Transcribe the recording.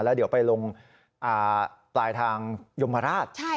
แล้วเดี๋ยวไปลงปลายทางยมราช